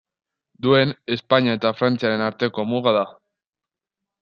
Duen Espainia eta Frantziaren arteko muga da.